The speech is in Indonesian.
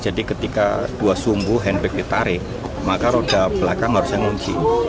jadi ketika dua sumbu handbrake ditarik maka roda belakang harusnya menguji